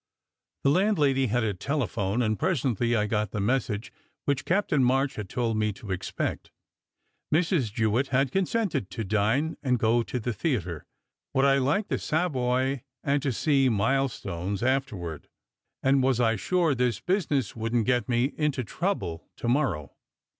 The landlady had a telephone, and presently I got the message which Captain March had told me to expect. Mrs. Jewitt had consented to dine and go to the theatre. Would I like the Savoy, and to see "Milestones" after ward? And was I sure this business wouldn t get me in to trouble to morrow?